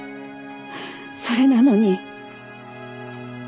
それなのに。